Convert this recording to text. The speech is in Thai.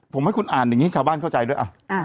ผมให้คุณอ่านอย่างนี้ชาวบ้านเข้าใจด้วย